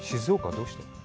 どうして？